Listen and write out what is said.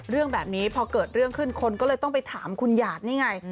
เรื่องแบบนี้พอเกิดเรื่องขึ้นคนก็เลยต้องไปถามคุณหยาดนี่ไง